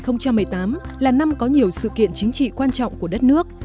năm hai nghìn một mươi tám là năm có nhiều sự kiện chính trị quan trọng của đất nước